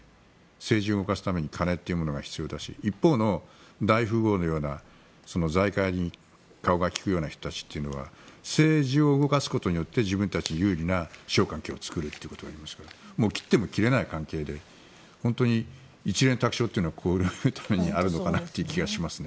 政治を動かすために金というものが必要だし一方の大富豪のような財界に顔が利くような人たちは政治を動かすことによって自分たちに有利な環境を作ることがありますから切っても切れない関係で一蓮托生というのはこういうためにあるのかなという気がしますね。